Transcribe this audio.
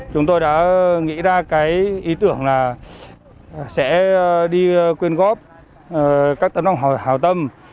chúng tôi đã nghĩ ra cái ý tưởng là sẽ đi quyên góp các tấm lòng hỏi hào tâm